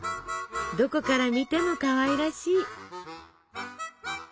どこから見てもかわいらしい！